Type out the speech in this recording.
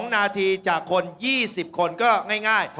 ๒นาทีจากคน๒๐คนก็ง่าย